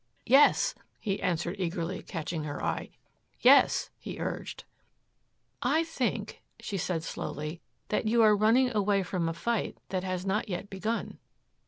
"Yes," he answered eagerly, catching her eye. "Yes," he urged. "I think," she said slowly, "that you are running away from a fight that has not yet begun."